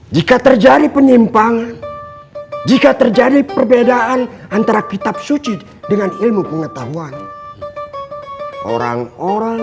jika terjadi penyimpangan jika terjadi perbedaan antara kitab suci dengan ilmu pengetahuan